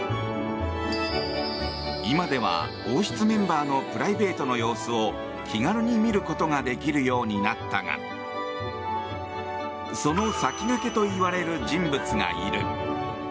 今では、王室メンバーのプライベートの様子を気軽に見ることができるようになったがその先駆けといわれる人物がいる。